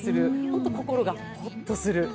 本当に心がほっとする。